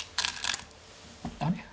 あれ？